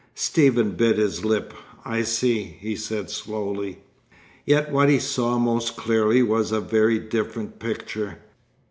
Stephen bit his lip. "I see," he said slowly. Yet what he saw most clearly was a very different picture.